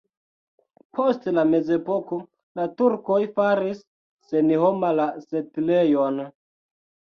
Post la mezepoko la turkoj faris senhoma la setlejon.